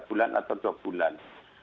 empat bulan atau dua bulan